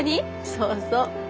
そうそう。